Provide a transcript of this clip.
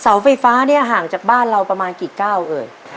เสาไฟฟ้าเนี่ยห่างจากบ้านเราประมาณกี่ก้าวเอ่ย